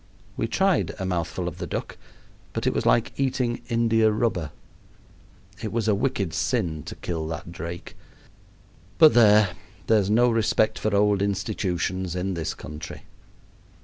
We tried a mouthful of the duck, but it was like eating India rubber. It was a wicked sin to kill that drake. But there! there's no respect for old institutions in this country.